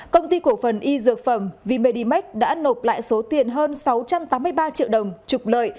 công ty cổ phần y dược phẩm v medimax đã nộp lại số tiền hơn sáu trăm tám mươi ba triệu đồng trục lợi